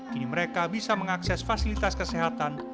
kini mereka bisa mengakses fasilitas kesehatan